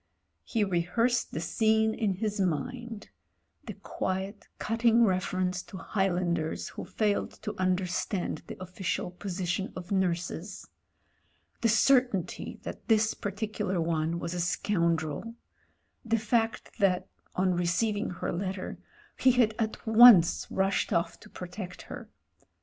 He rehearsed the scene in his mind : the quiet, cutting ref erence to Highlanders who failed to understand the ofiicial position of nurses — ^the certainty that this par ticular one was a scoundrel : the fact that, on receiving her letter, he had at once rushed off to protect her.